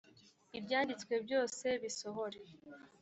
ibyanditswe byose bisohore